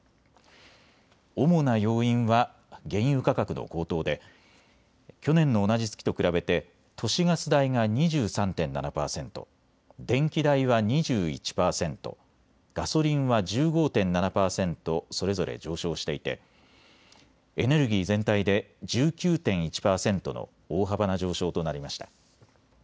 主な要因は原油価格の高騰で去年の同じ月と比べて都市ガス代が２３．７％、電気代は２１％、ガソリンは１５．７％それぞれ上昇していてエネルギー全体で１９．１％の大幅な上昇となりました。